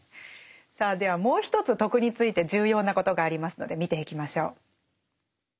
さあではもう一つ「徳」について重要なことがありますので見ていきましょう。